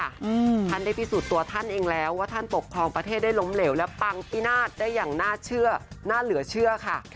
อืมท่านได้พิสูจน์ตัวท่านเองแล้วว่าท่านปกครองประเทศได้ล้มเหลวและปังพินาศได้อย่างน่าเชื่อน่าเหลือเชื่อค่ะ